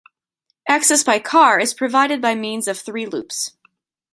Access by car is provided by means of three loops.